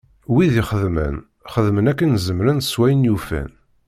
Wid ixeddmen, xeddmen akken zemren s wayen ufan.